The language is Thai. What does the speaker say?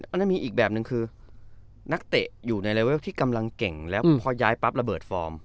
อันนั้นมีอีกแบบนึงคือนักเตะอยู่ในเลเวลที่กำลังเก่งแล้วพอย้ายปั๊บระเบิดฟอร์ม